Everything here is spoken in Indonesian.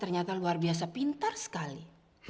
nggak ada laki laki